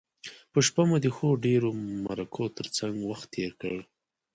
په شپه مو د ښو ډیرو مرکو تر څنګه وخت تیر کړ.